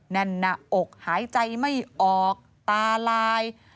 แนน่ะอกหายใจไม่ออกตาลาย